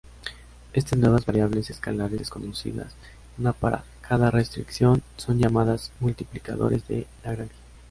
Estas nuevas variables escalares desconocidas, una para cada restricción, son llamadas multiplicadores de Lagrange.